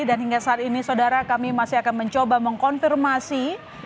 dan hingga saat ini saudara kami masih akan mencoba mengkonfirmasi